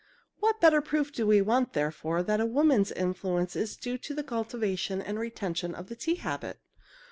What better proof do we want, therefore, that to women's influence is due the cultivation and retention of the tea habit?